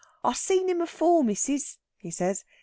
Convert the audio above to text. "I see him afore, missis," he says.